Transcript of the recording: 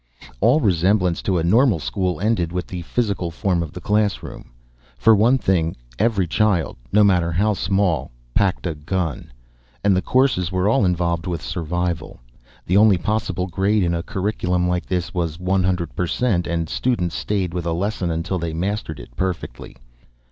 All resemblance to a normal school ended with the physical form of the classroom. For one thing, every child no matter how small packed a gun. And the courses were all involved with survival. The only possible grade in a curriculum like this was one hundred per cent and students stayed with a lesson until they mastered it perfectly.